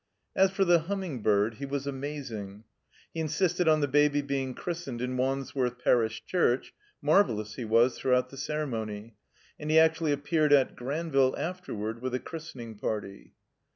As for the Humming bird, he was amazing. He insisted on the Baby being christened in Wandsworth Parish Church (marvelous, he was, throughout the ceremony); and he actually appeared at Granville afterward with the christening party.